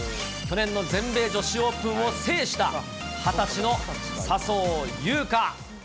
去年の全米女子オープンを制した２０歳の笹生優花。